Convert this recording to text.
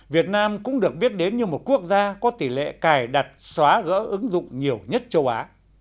việt nam cũng được biết đến như một quốc gia có tỷ lệ cài đặt xóa gỡ ứng dụng nhiều nhất châu á